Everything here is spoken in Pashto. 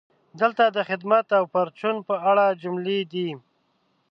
دلته د "خدمت او پرچون" په اړه جملې دي: